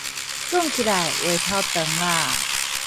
講起來話頭長啦！